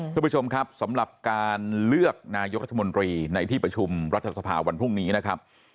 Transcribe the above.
คุณผู้ชมครับสำหรับการเลือกนายกรัฐมนตรีในที่ประชุมรัฐสภาวันพรุ่งนี้นะครับ